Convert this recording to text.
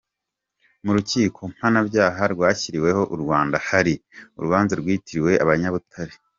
Mu rukiko mpanabyaha rwashyiriweho u Rwanda hari urubanza rwitiriwe abanyabutare.